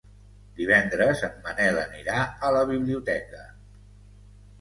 Divendres en Manel anirà a la biblioteca.